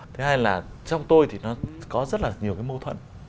thứ hai là trong tôi thì nó có rất là nhiều cái mâu thuẫn